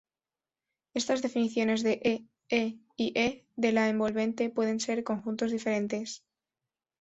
Estas definiciones de "E", "E" y "E" de la envolvente pueden ser conjuntos diferentes.